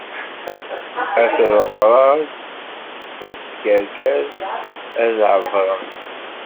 At rrebrab d at tkerkas ad ɛebbṛen.